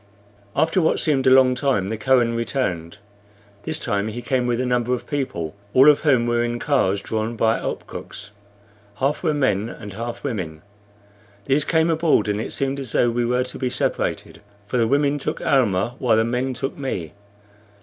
After what seemed a long time the Kohen returned. This time he came with a number of people, all of whom were in cars drawn by opkuks. Half were men and half women. These came aboard, and it seemed as though we were to be separated; for the women took Almah, while the men took me.